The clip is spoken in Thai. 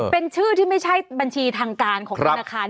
เป็นชื่อที่ไม่ใช่บัญชีทางการของธนาคาร